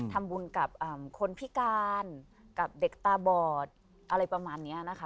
ทำบุญกับคนพิการกับเด็กตาบอดอะไรประมาณนี้นะคะ